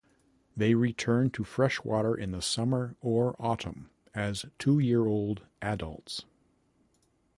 They return to freshwater in the summer or autumn as two-year-old adults.